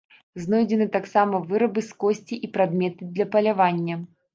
Знойдзены таксама вырабы з косці і прадметы для палявання.